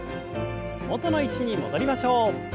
元の位置に戻りましょう。